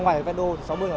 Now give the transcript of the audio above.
nếu mà đi tốc độ cao như thế